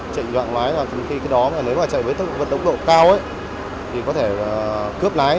trệnh trọng lái là khi cái đó mà nếu mà chạy với tốc độ cao thì có thể cướp lái